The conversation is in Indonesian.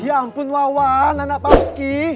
ya ampun wawan anak papski